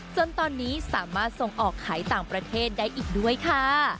จนตอนนี้สามารถส่งออกขายต่างประเทศได้อีกด้วยค่ะ